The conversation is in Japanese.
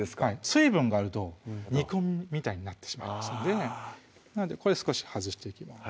水分があると煮込みみたいになってしまいますのでこれ少し外していきます